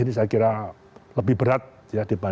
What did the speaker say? ini saya kira lebih berat